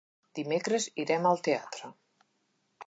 Dimecres irem al teatre.